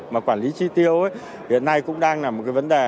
mà quản lý chi tiêu hiện nay cũng đang là một cái vấn đề